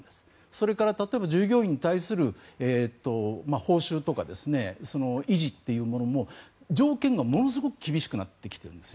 それから例えば従業員に対する報酬とか維持というものも条件がものすごく厳しくなってきているんです。